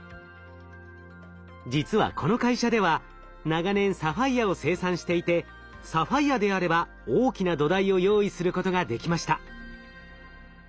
実はこの会社では長年サファイアを生産していてサファイアであれば大きな土台を用意することができました。